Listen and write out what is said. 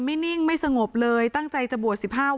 ไม่อยากให้มองแบบนั้นจบดราม่าสักทีได้ไหม